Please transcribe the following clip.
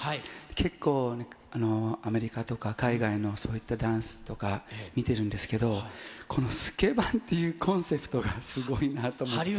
結構、アメリカとか海外のそういったダンスとか、見てるんですけど、このスケバンっていうコンセプトがすごいなと思って。